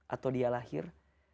atau dia lahir